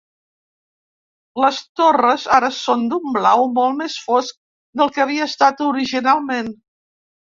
Les torres ara són d'un blau molt més fosc del que havia estat originalment.